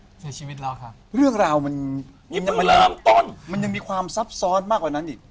ยังมีชีวิตเราครับมีความล้ำตนมันยังมีความซับซ้อนมากกว่านั้นอีก